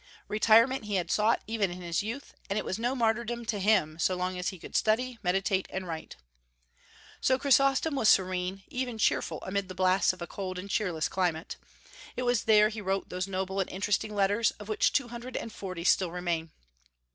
Retirement he had sought, even in his youth, and it was no martyrdom to him so long as he could study, meditate, and write. So Chrysostom was serene, even cheerful, amid the blasts of a cold and cheerless climate. It was there he wrote those noble and interesting letters, of which two hundred and forty still remain.